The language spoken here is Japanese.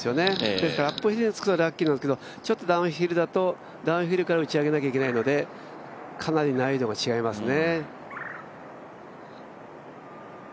ですからアップヒルにつくとラッキーなんですけどもちょっとダウンヒルだとダウンヒルから打ち上げないといけないのでかなり難易度が違いますね。